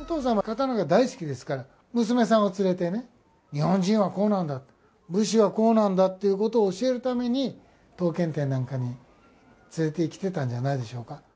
お父さんは刀が大好きですから、娘さんを連れてね、日本人はこうなんだ、武士はこうなんだっていうことを教えるために、刀剣店なんかに連れて来てたんじゃないでしょうか。